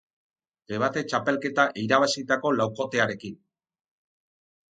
Debate txapelketa irabazitako laukotearekin.